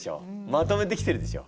まとめてきてるでしょ。